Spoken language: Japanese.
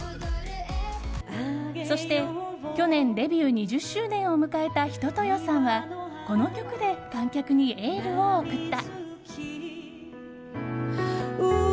そして去年、デビュー２０周年を迎えた一青窈さんはこの曲で観客にエールを送った。